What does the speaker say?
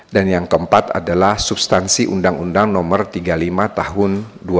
dan yang keempat adalah substansi undang undang nomor tiga puluh lima tahun dua ribu sembilan